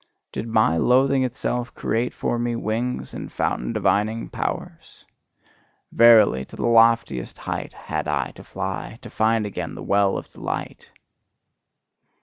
Did my loathing itself create for me wings and fountain divining powers? Verily, to the loftiest height had I to fly, to find again the well of delight!